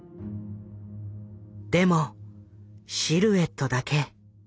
でもシルエットだけ。